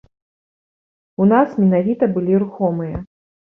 У нас менавіта былі рухомыя.